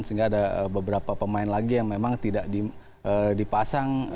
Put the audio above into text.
sehingga ada beberapa pemain lagi yang memang tidak dipasang